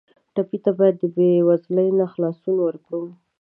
ټپي ته باید د بېوزلۍ نه خلاصون ورکړو.